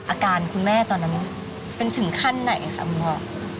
อาการคุณแม่ตอนนั้นเป็นถึงขั้นไหนค่ะหมอ